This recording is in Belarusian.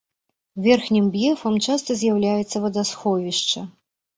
Верхнім б'ефам часта з'яўляецца вадасховішча.